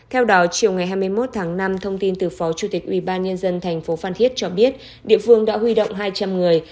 theo đó chiều ngày hai mươi một tháng năm thông tin từ phó chủ tịch ubnd tp phan thiết cho biết địa phương đã huy động hai trăm linh người